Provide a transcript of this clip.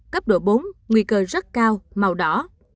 cấp độ bốn nguy cơ rất cao màu đỏ